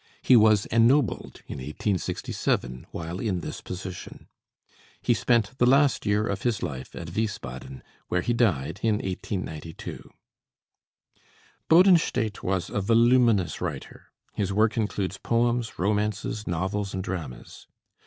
He was ennobled in 1867, while in this position. He spent the last year of his life at Wiesbaden, where he died in 1892. Bodenstedt was a voluminous writer; his work includes poems, romances, novels, and dramas.